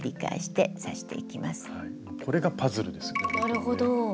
なるほど。